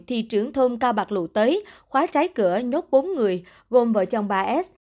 thì trưởng thôn cao bạc lụ tới khóa trái cửa nhốt bốn người gồm vợ chồng bà s